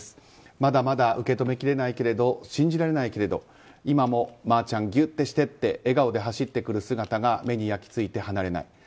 まだまだ受け止めきれないけれど信じられないけれど今もまぁちゃんギュッとしてと笑顔で走ってくる姿が目に焼き付いて離れない。